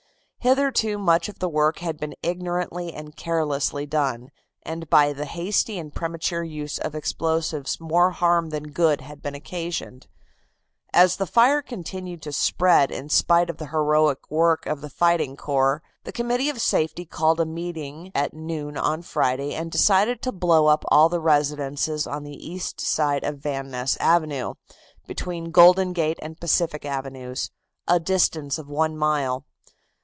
Hitherto much of the work had been ignorantly and carelessly done, and by the hasty and premature use of explosives more harm than good had been occasioned. As the fire continued to spread in spite of the heroic work of the fighting corps, the Committee of Safety called a meeting at noon on Friday and decided to blow up all the residences on the east side of Van Ness Avenue, between Golden Gate and Pacific Avenues, a distance of one mile.